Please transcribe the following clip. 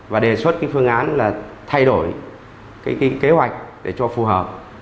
và đề xuất phương án thay đổi kế hoạch để cho phù hợp